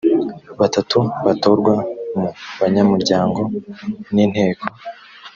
batatu batorwa mu banyamuryango n inteko